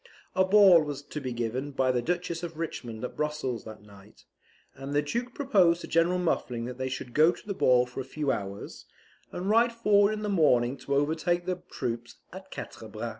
A ball was to be given by the Duchess of Richmond at Brussels that night, and the Duke proposed to General Muffling that they should go to the ball for a few hours, and ride forward in the morning to overtake the troops at Quatre Bras.